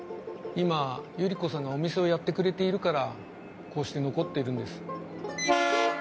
今百合子さんがお店をやってくれているからこうして残ってるんです。